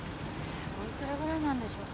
おいくらぐらいなんでしょう？